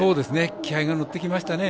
気合いが乗ってきましたね。